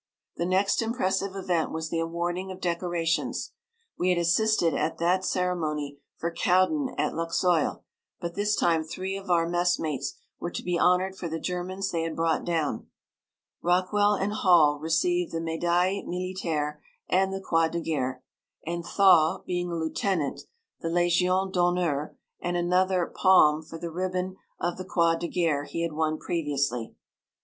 The next impressive event was the awarding of decorations. We had assisted at that ceremony for Cowdin at Luxeuil, but this time three of our messmates were to be honoured for the Germans they had brought down. Rockwell and Hall received the Médaille Militaire and the Croix de Guerre, and Thaw, being a lieutenant, the Légion d'honneur and another "palm" for the ribbon of the Croix de Guerre he had won previously.